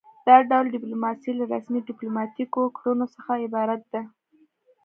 دا ډول ډیپلوماسي له رسمي ډیپلوماتیکو کړنو څخه عبارت ده